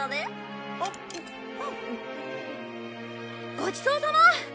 ごちそうさま！